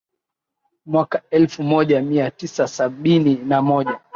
Mwaka elfu moja mia tisa sabini na moja